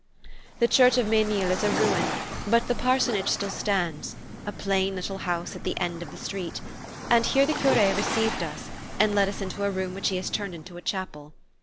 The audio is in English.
The church of Menil is a ruin, but the parsonage still stands a plain little house at the end of the street; and here the cure received us, and led us into a room which he has turned into a chapel.